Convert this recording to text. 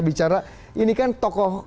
bicara ini kan tokoh